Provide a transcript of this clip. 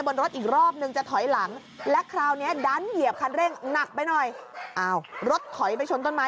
บอกว่าป้านั่งอยู่ในบ้านปึ้งแรกป้าวิ่งออกมา